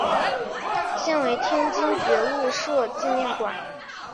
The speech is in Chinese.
现为天津觉悟社纪念馆。